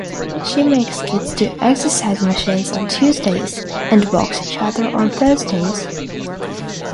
She makes kids do exercise machines on Tuesdays and box each other on Thursdays.